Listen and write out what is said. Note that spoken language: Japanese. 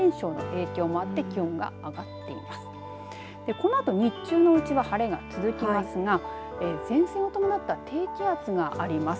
このあと日中のうちは晴れが続きますが前線を伴った低気圧があります。